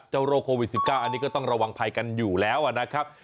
โรคโควิด๑๙อันนี้ก็ต้องระวังภัยกันอยู่แล้วนะครับ